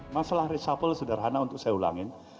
masalah reshuffle sederhana untuk saya ulangin